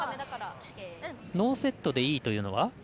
ノーセットでいいというのは？